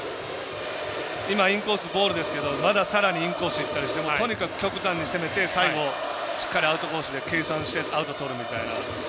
今、インコース、ボールですけどまださらにインコースいったりしてとにかく極端に攻めて、最後しっかりアウトコースで計算してアウトとるみたいな。